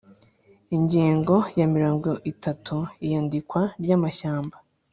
Ingingo ya mirongo itatu Iyandikwa ry amashyamba